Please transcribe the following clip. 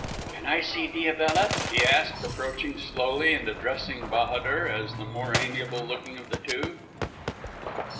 "Can I see Diabella?" he asked, approaching slowly and addressing Bahadur as the more amiable looking of the two.